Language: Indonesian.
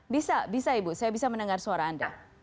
bisa bisa ibu saya bisa mendengar suara anda